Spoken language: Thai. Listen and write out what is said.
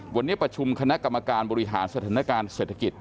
วันนี้ประชุมคณะกรรมการบริหารสถานการณ์เศรษฐกิจ